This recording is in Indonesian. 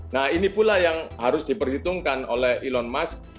nah ini pula yang harus diperhitungkan oleh elon musk